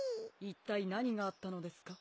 いったいなにがあったのですか？